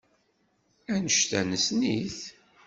Annect-a nessen-it.